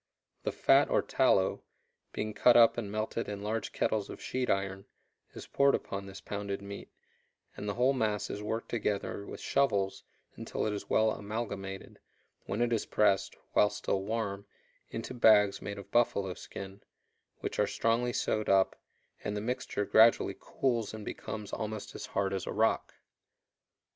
The fat or tallow, being cut up and melted in large kettles of sheet iron, is poured upon this pounded meat, and the whole mass is worked together with shovels until it is well amalgamated, when it is pressed, while still warm, into bags made of buffalo skin, which are strongly sewed up, and the mixture gradually cools and becomes almost as hard as a rock.